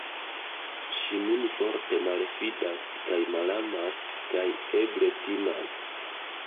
Ŝi min forte malfidas kaj malamas kaj, eble, timas.